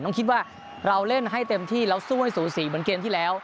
ต้องคิดว่าเราเล่นให้เต็มที่แล้วสู้ให้สูสีเหมือนเกมที่แล้ว